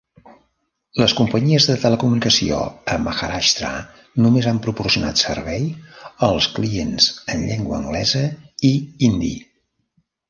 Les companyies de telecomunicació a Maharashtra només han proporcionat servei als clients en llengua anglesa i hindi.